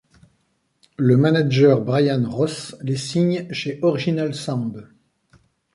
Le manager Brian Ross les signe chez Original Sound.